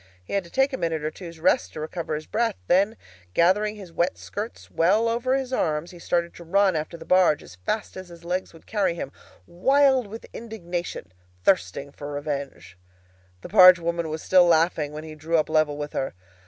He had to take a minute or two's rest to recover his breath; then, gathering his wet skirts well over his arms, he started to run after the barge as fast as his legs would carry him, wild with indignation, thirsting for revenge. The barge woman was still laughing when he drew up level with her.